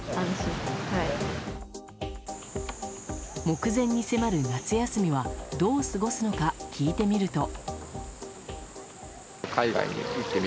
目前に迫る夏休みはどう過ごすのか聞いてみると。